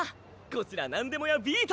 こちら何でも屋ビート！